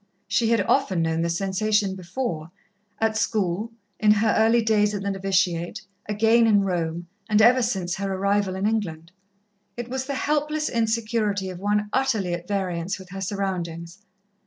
She had often known the sensation before at school, in her early days at the novitiate, again in Rome, and ever since her arrival in England. It was the helpless insecurity of one utterly at variance with her surroundings.